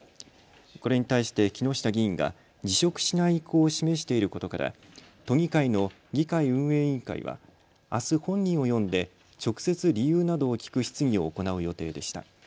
これに対して木下議員が辞職しない意向を示していることから都議会の議会運営委員会はあす本人を呼んで直接理由などを聞く質疑を行う予定でした。